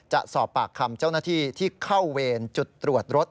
จะสอบปากคำเจ้าหน้าที่ที่เข้าเวรจุดตรวจรถ